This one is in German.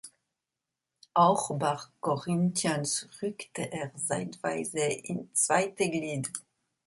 Auch bei Corinthians rückte er zeitweise ins zweite Glied.